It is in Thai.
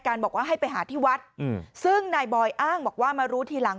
บอกว่าให้ไปหาที่วัดซึ่งนายบอยอ้างบอกว่ามารู้ทีหลัง